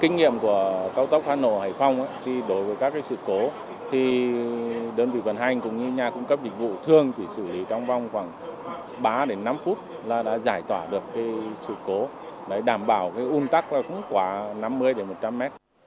kinh nghiệm của cao tốc hà nội hải phong thì đối với các cái sự cố thì đơn vị vận hành cũng như nhà cung cấp dịch vụ thường chỉ xử lý trong vòng khoảng ba đến năm phút là đã giải tỏa được cái sự cố để đảm bảo cái ung tắc là cũng quá năm mươi đến một trăm linh mét